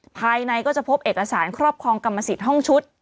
ภายในก็จะพบเอกสารครอบครองกรรมสิทธิ์ห้องชุด